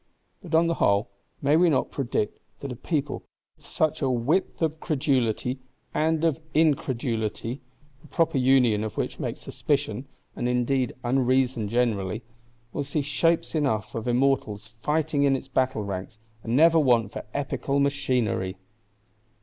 But on the whole, may we not predict that a people, with such a width of Credulity and of Incredulity (the proper union of which makes Suspicion, and indeed unreason generally), will see Shapes enough of Immortals fighting in its battle ranks, and never want for Epical Machinery?